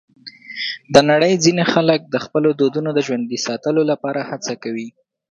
د نړۍ ځینې خلک د خپلو دودونو د ژوندي ساتلو لپاره هڅه کوي.